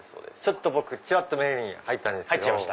僕ちらっと目に入ったんですけど。